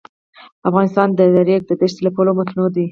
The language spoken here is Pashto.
افغانستان د د ریګ دښتې له پلوه متنوع دی.